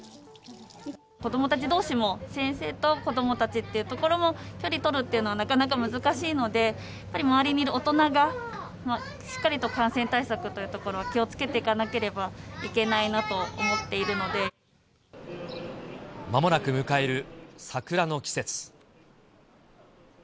子どもたちどうしも、先生と子どもたちっていうところも、距離取るっていうのは、なかなか難しいので、やっぱり周りにいる大人が、しっかりと感染対策というところを気をつけていかなければいけなまもなく迎える桜の季節。